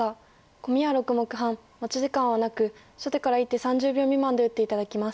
コミは６目半持ち時間はなく初手から１手３０秒未満で打って頂きます。